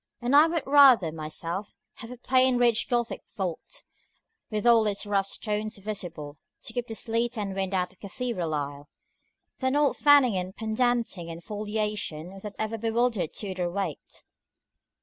And I would rather, myself, have a plain ridged Gothic vault, with all its rough stones visible, to keep the sleet and wind out of a cathedral aisle, than all the fanning and pendanting and foliation that ever bewildered Tudor weight.